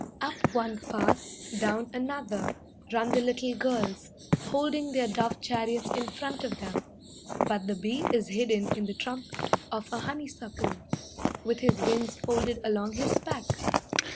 Up one path, Down another, Run the little girls, Holding their dove chariots in front of them; But the bee is hidden in the trumpet of a honeysuckle, With his wings folded along his back.